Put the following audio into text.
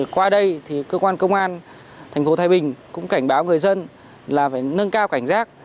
qua đây thì cơ quan công an thành phố thái bình cũng cảnh báo người dân là phải nâng cao cảnh giác